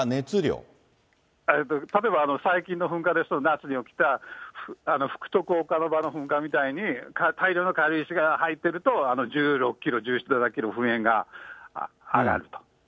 例えば最近の噴火ですと、夏に起きたふくとくおかのばの噴火みたいに大量の軽石が入っていると、１６キロ、１７キロ噴煙が上がると。